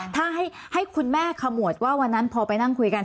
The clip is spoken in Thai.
ถ้าให้คุณแม่ขมวดว่าวันนั้นพอไปนั่งคุยกัน